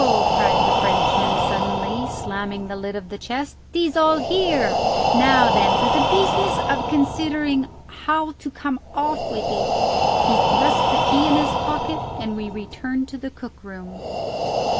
cried the Frenchman suddenly, slamming the lid of the chest. "Tis all here! Now then to the business of considering how to come off with it." He thrust the keys in his pocket, and we returned to the cook room.